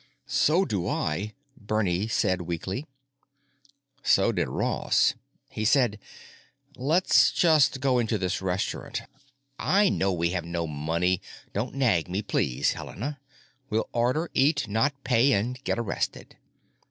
"So do I," Bernie said weakly. So did Ross. He said, "Let's just go into this restaurant. I know we have no money—don't nag me please, Helena. We'll order, eat, not pay, and get arrested."